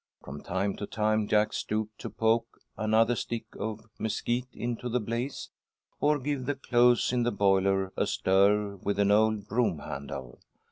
From time to time Jack stooped to poke another stick of mesquite into the blaze, or give the clothes in the boiler a stir with an old broom handle.